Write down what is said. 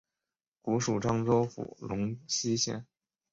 古属漳州府龙溪县。